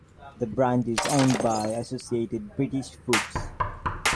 The brand is owned by Associated British Foods.